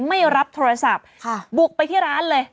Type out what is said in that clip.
ไม่รับโทรศัพท์บุกไปที่ร้านเลย